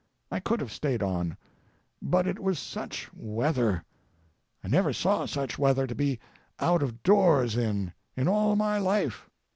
I could have stayed on, but it was such weather. I never saw such weather to be out of doors in, in all my life.